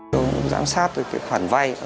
trâu giám sát được khoản vay